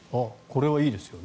これはいいですよ。